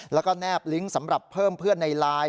แล้วก็แนบลิงก์สำหรับเพิ่มเพื่อนในไลน์